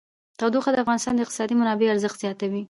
تودوخه د افغانستان د اقتصادي منابعو ارزښت زیاتوي.